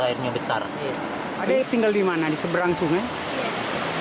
mula ke tempat jalan tinggal anda fchang khuatan tama unba ujian